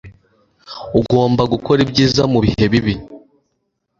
Ugomba gukora ibyiza mubihe bibi.